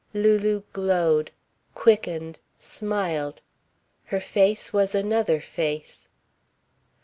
Lulu glowed, quickened, smiled. Her face was another face.